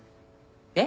えっ？